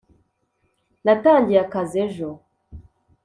Natangiye akazi ejo